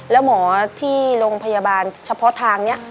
แล้วหมอที่โรงพยาบาลเฉพาะทางนี้